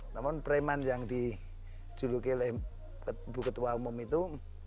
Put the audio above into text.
namun preman yang dijuluki bu ketua umum itu